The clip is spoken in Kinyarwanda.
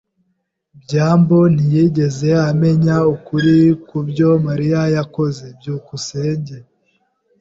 byambo ntiyigeze amenya ukuri kubyo Mariya yakoze. byukusenge